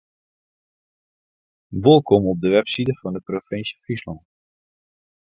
Wolkom op de webside fan de provinsje Fryslân.